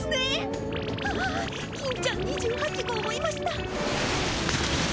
あ金ちゃん２８号もいました。